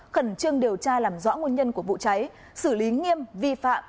khẩn trương điều tra làm rõ nguồn nhân của vụ cháy xử lý nghiêm vi phạm